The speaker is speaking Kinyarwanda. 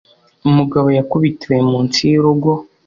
umugabo yakubitiwe mu nsi yurugo